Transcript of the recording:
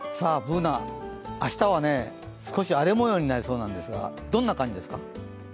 Ｂｏｏｎａ、明日は少し荒れもようになりそうなんですが、どんな感じですか。